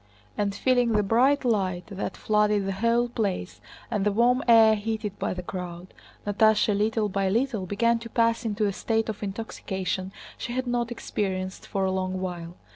And feeling the bright light that flooded the whole place and the warm air heated by the crowd, Natásha little by little began to pass into a state of intoxication she had not experienced for a long while.